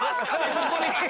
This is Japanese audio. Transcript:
ここに。